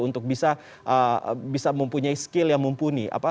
untuk bisa mempunyai skill yang mumpuni